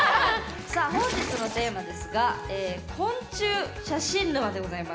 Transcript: さあ本日のテーマですが昆虫写真？